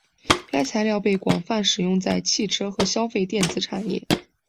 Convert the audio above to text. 该材料被广泛使用在汽车和消费电子产业。